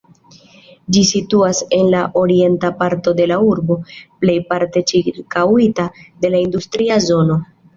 Ĝi situas en la orienta parto de la urbo, plejparte ĉirkaŭita de industria zono.